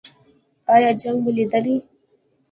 ایا جنګ مو لیدلی؟